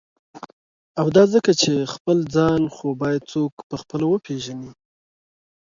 او دا ځکه چی » خپل ځان « خو باید څوک په خپله وپیژني.